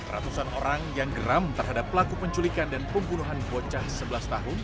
ratusan orang yang geram terhadap pelaku penculikan dan pembunuhan bocah sebelas tahun